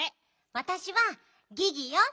わたしはギギよ。